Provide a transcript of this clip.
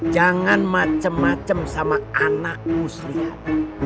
jangan macem macem sama anak muslihat